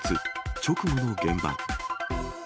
直後の現場。